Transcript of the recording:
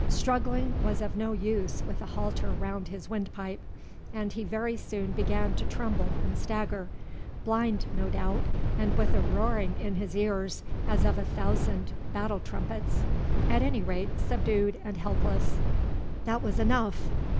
Struggling was of no use with a halter round his windpipe, and he very soon began to tremble and stagger, blind, no doubt, and with a roaring in his ears as of a thousand battle trumpets, at any rate, subdued and helpless. That was enough.